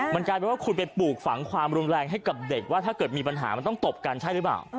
มันกลายเป็นว่าคุณไปปลูกฝังความรุนแรงให้กับเด็กว่าถ้าเกิดมีปัญหามันต้องตบกันใช่หรือเปล่า